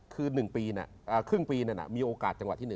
คือ๑ปีน่ะครึ่งปีน่ะมีโอกาสจังหวัดที่๑